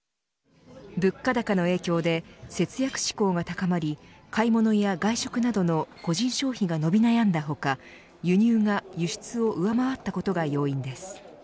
物価高の影響で節約志向が高まり買い物や外食などの個人消費が伸び悩んだ他輸入が輸出を上回ったことが要因です。